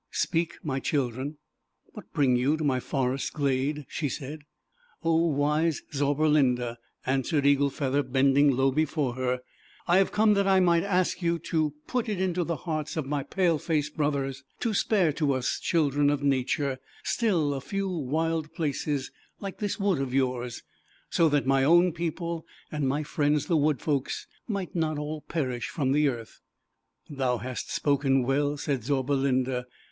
j j Speak ! my children. What brin you to my Forest Glad/ she "Oh, Wise Zauberlinda," anSwefed Eagle Feather, bending low before her, "I have come that I might ask you to 234 ZAUBERLINDA, THE WISE WITCH. put it into the hearts of my Pale Face Brothers to spare to us children of Nature still a few wild places, like this wood of yours, so that my own people, and my friends, the Wood Folks, may not all perish from the earth." "Thou hast spoken well," said Zauber linda.